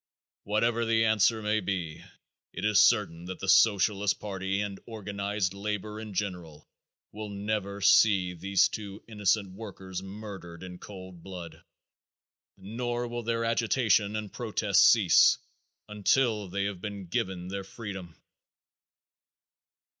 Whatever the answer may be, it is certain that the Socialist party and organized labor in general will never see these two innocent workers murdered in cold blood, nor will their agitation and protest cease until they have been given their freedom.